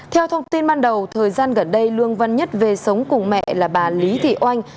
theo thông tin ban đầu thời gian gần đây lương văn nhất về sống cùng mẹ là bà lý thị oanh